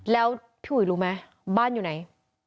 แล้วพี่อุ๋ยรู้ไหมบ้านอยู่ไหน